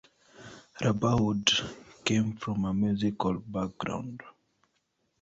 Rabaud came from a musical background.